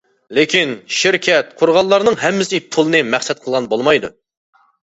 لېكىن، شىركەت قۇرغانلارنىڭ ھەممىسى پۇلنى مەقسەت قىلغان بولمايدۇ.